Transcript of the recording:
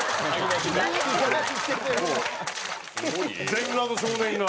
全裸の少年が。